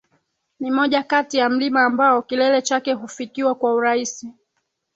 ni moja kati ya milima ambayo kilele chake hufikiwa kwa urahisi